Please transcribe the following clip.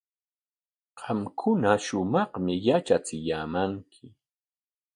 Qamkuna shumaqmi yatrachiyaamanki.